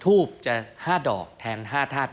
ทูบจะ๕ดอกแทน๕ธาตุ